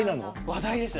話題です。